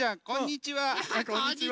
こんにちは。